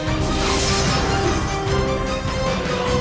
aku sudah tak tahu